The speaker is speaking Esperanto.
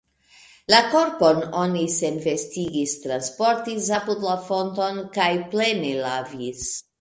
La korpon oni senvestigis, transportis apud la fonton, kaj plene lavis.